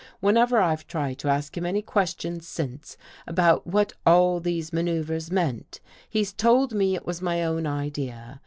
Whenever I've tried to ask him any questions since, about what all these maneuvers meant, he's told me it was my own Idea.